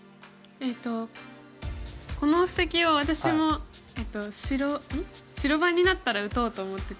えっとこの布石を私も白番になったら打とうと思ってて。